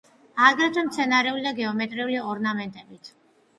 აგრეთვე მცენარეული და გეომეტრიული ორნამენტებით.